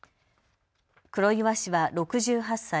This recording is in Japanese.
黒岩氏は６８歳。